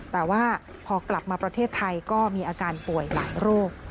แต่ว่าพอกลับมาประเทศไทยก็มีอาการป่วยหลายโรค